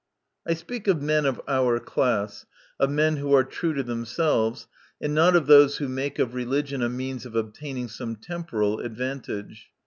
I speak of men of our class, of men who are true to themselves, and not of those who make of religion a means of obtaining some temporal advantage.